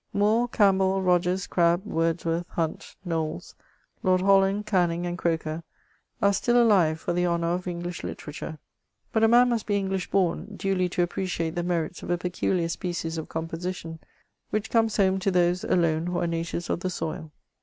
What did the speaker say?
Moore, Campbell, Rogers, Crabbe, Wordsworth, Hunt, Knowks, Lord Holland, Canning, and Croker, are still alive for the honour of English literature ; but a man must be £ng Hsh bom duly to appreciate the merits of a peculiar species of compodtion, which comes home to those alone who are natives of the soil.